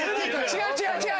違う違う違う！